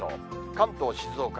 関東、静岡。